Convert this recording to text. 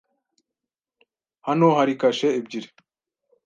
Hano hari kashe ebyiri.